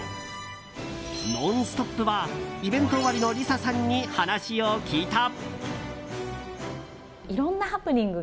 「ノンストップ！」はイベント終わりのＬｉＳＡさんに話を聞いた。